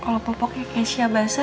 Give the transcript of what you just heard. kalau popoknya keisha basah